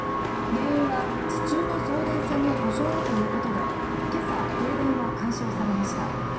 原因は地中の送電線の故障だということで今朝、停電は解消されました。